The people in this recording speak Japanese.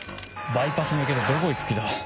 バイパス抜けてどこ行く気だ？